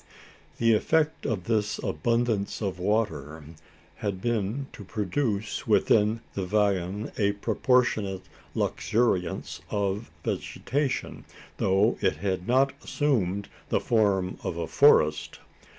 The effect of this abundance of water had been to produce within the vallon a proportionate luxuriance of vegetation, though it had not assumed the form of a forest.